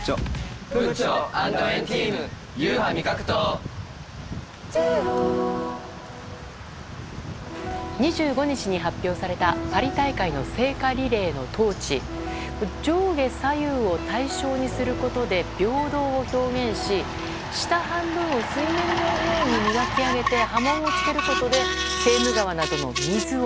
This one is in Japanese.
東京海上日動２５日に発表されたパリ大会の聖火リレーのトーチ上下左右を対称にすることで平等を表現し下半分を水面のように磨き上げて波紋をつけることでセーヌ川などの水を。